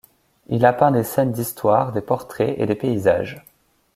Il a peint des scènes d'histoire, des portraits et des paysages.